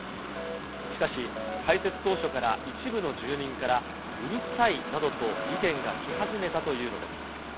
しかし、開設当初から、一部の住民から、うるさいなどと意見が来始めたというのです。